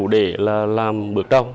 để là làm bước trong